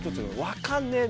分かんねえ。